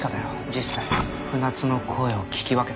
実際船津の声を聞き分けたんだ。